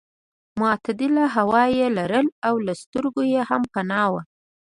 معتدله هوا یې لرله او له سترګو یې هم پناه وه.